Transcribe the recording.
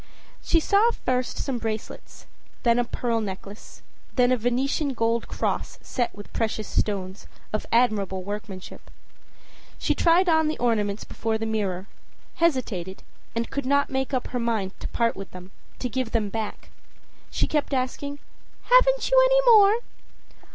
â She saw first some bracelets, then a pearl necklace, then a Venetian gold cross set with precious stones, of admirable workmanship. She tried on the ornaments before the mirror, hesitated and could not make up her mind to part with them, to give them back. She kept asking: âHaven't you any more?